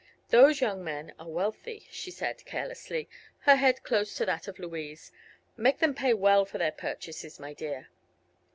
"Those young men are wealthy," she said, carelessly, her head close to that of Louise. "Make them pay well for their purchases, my dear."